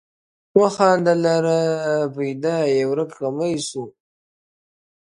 و خاوند لره پیدا یې ورک غمی سو,